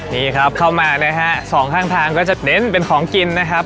นี่ครับเข้ามานะฮะสองข้างทางก็จะเน้นเป็นของกินนะครับ